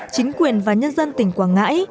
chính quyền và nhân dân tỉnh quảng ngãi